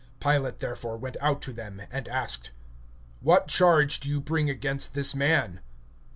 (29)Pilate therefore went out to them, and said: What accusation do ye bring against this man?